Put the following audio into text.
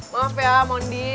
maaf ya mohon diri